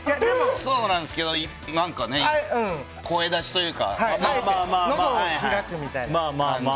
そうなんですけど声だしというかのどを開くというか。